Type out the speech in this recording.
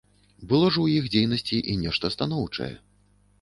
Было ж у іх дзейнасці і нешта станоўчае.